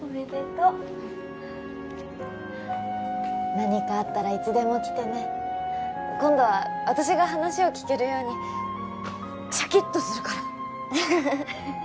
うん何かあったらいつでも来てね今度は私が話を聞けるようにシャキっとするから！